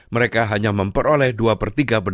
mereka hanya memperoleh jualan